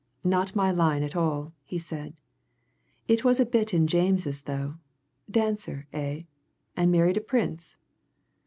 "Not my line at all," he said. "It was a bit in James's, though. Dancer, eh? And married a Prince?"